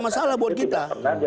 masalah buat kita